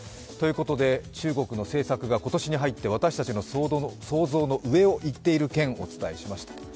中国の政策が今年に入って私たちの想像の上を行っている件お伝えしました。